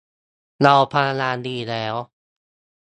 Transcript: เราพยายามดีแล้ว